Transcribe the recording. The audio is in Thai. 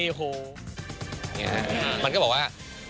อย่างงี้มันก็บอกว่า